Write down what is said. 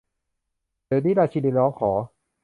เดี๋ยวนี้ ! ราชินีร้องขอ